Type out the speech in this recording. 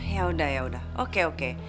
ya udah ya udah oke oke